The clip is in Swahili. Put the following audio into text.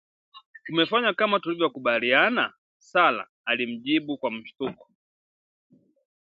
Umefanya kama tulivyokubaliana?" Sarah alimjibu kwa mshtuko